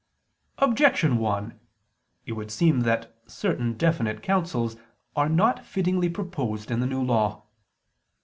Objection 1: It would seem that certain definite counsels are not fittingly proposed in the New Law.